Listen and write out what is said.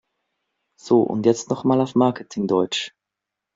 So, und jetzt noch mal auf Marketing-Deutsch!